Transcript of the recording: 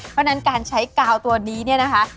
เพราะฉะนั้นการใช้กาวตัวนี้เนี่ยนะคะ